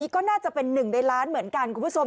อย่างนี้ก็หน้าจะเป็นหนึ่งในล้านเหมือนกันคุณผู้ชม